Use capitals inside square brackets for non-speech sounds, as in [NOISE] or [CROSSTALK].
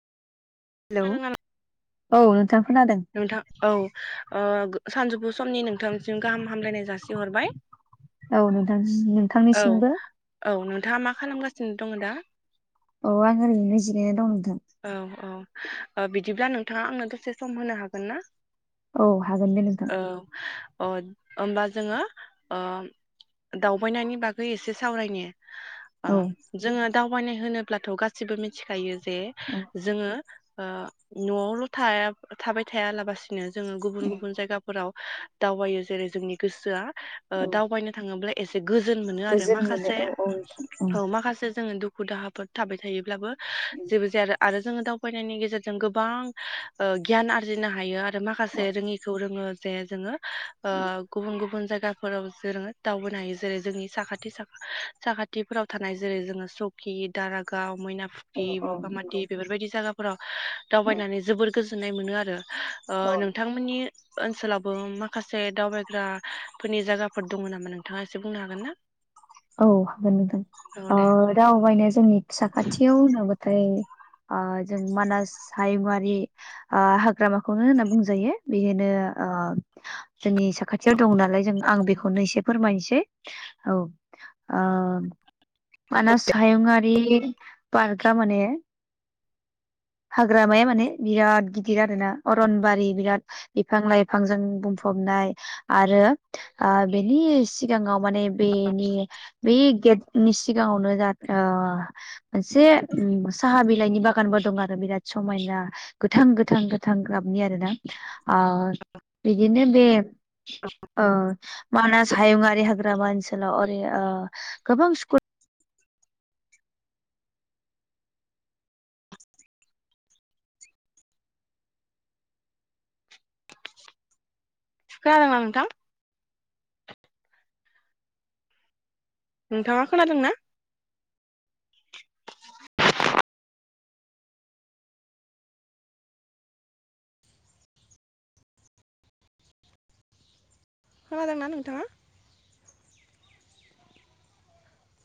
Hello औ नोंथां खोनादों नोंथां औ ओ गो सानजौफु समनि नोंथांसिम गाहाम हामलायनाय जासिहरबाय। औ नोंथां औ नोंथांनिसिमबो औ नोंथाङा मा खालामगासिनो दङ दा अ आं ओरैनो जिरायना दं नोंथां। औ औ बिदिब्ला नोंथाङा आंनो दसे सम होनो हागोन ना। औ हागोन दे नोंथां। औ अ' होमबा जोंङो ओ दावबायनायनि बागै एसे सावरायनि औ जोंङो। दावबायनाय होनोब्लाथ' गासिबो मिथिखायो जे औ जोंङो नआवल थाया थाबाय थायालाबसि। नो जोंङो गुबुन गुबुन जायगाफोराव। दावबायो जेरै जोंनि गोसोआ औ दावबायनो थांङोब्ला एसे। गोजोन मोनो आरो गोजोन मोनो माखासे औ औ नोंथां औ माखासे जोंङो दुखु दाहा फोर थाबाय थायोब्लाबो जेबोज आरो जोंङो दावबायनायनि गेजेरजों गोबां गियान आरजिनो हायो आरो आरो माखासे औ रोङिखौ रोङो। जाया जोंङो। ओ गुबुन गुबुन जायगा फोराव जोङो दावबोनो हायो जेरै जोंनि साखाथि सा-साखाथिफोराव थानाय जेरै जोङो सकि, दारागाव औ नंगौ [UNINTELLIGIBLE] बिदि जागाफ्राव दावबायनानै जोबोर गोजोनाय मोनो आरो। ओ औ नोंथांमोननि ओनसोलावबो माखासे दावबायग्रा फोरनि जागाफोर दङ' नामा नोंथाङा एसे बुंनो हागोन ना? औ हागोन नोंथां औ दे ओ दावबायनाया जोंनि साखाथियाव होनोबाथाय ओ जों मानास हायुंआरि ओ हाग्रामाखौनो होनना बुंजायो बेनो ओ जोंनि साखाथियाव दं नालाय जों आं बेखौनो एसे फोरमायनोसै औ। ओ मानस हायुङारि पार्कआ माने हाग्रामाया माने बिराद गिदिर आरो ना अरनबारि बिराद बिफां लाइफांजों बुंफबनाय आरो ओ बेनि सिगाङाव माने बेनि बे गेटनि सिगाङावनो ओ मोनसे साहा बिलाइनि बागानबो दं आरो बिराद समायना गोथां-गोथां-गोथां गाबनि आरो ना आ बि बिदिनो बे अ मानास हायुुंङारि हाग्राबा ओनसोलाव ओरै ओ गोबां स्कुल खोनादोंना नोंथां नोंथाङा खोनादोंना खोनादोंना नोंथाङा